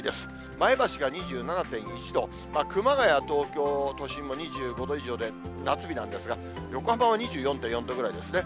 前橋が２７．１度、熊谷、東京都心も２５度以上で夏日なんですが、横浜は２４．４度ぐらいですね。